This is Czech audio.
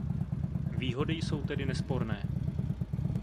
Výhody jsou tedy nesporné.